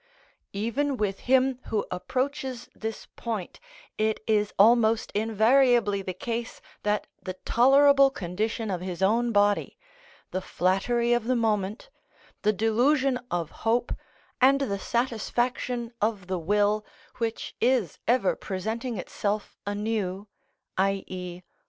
Even with him who approaches this point, it is almost invariably the case that the tolerable condition of his own body, the flattery of the moment, the delusion of hope, and the satisfaction of the will, which is ever presenting itself anew, _i.e.